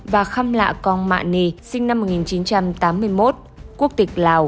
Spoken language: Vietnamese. và khăm lạ con mạ ni